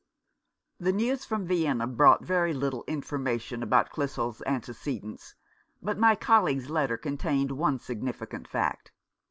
The news from Vienna brought very little information about Clissold's antecedents ; but my colleague's letter contained one significant fact.